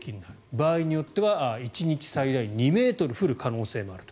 場合によっては１日最大２ｍ降る可能性もあると。